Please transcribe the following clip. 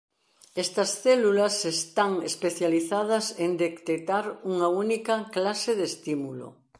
Estas células están especializadas en detectar unha única clase de estímulo.